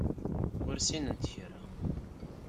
Ur ssinent kra.